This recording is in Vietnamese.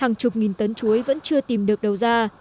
hàng chục nghìn tấn chuối vẫn chưa tìm được đầu ra